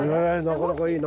なかなかいい。